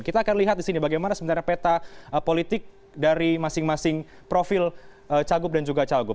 kita akan lihat di sini bagaimana sebenarnya peta politik dari masing masing profil cagup dan juga cagup